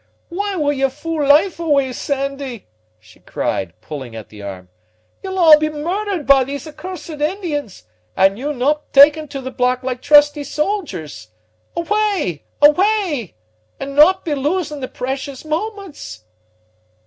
"Why will ye fool life away, Sandy?" she cried, pulling at the arm. "Ye'll all be murdered by these accursed Indians, and you no' takin' to the block like trusty soldiers! Awa'! awa'! and no' be losing the precious moments."